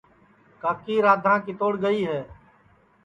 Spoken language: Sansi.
کاکی رادھاں کیتوڑ گئی ہے